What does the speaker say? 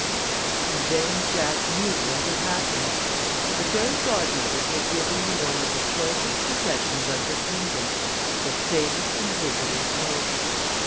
And then Jack knew what had happened. The fairy godmother had given him one of the choicest possessions of her kingdom the famous invisible cloak!